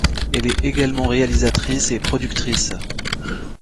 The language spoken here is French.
Elle est également réalisatrice et productrice.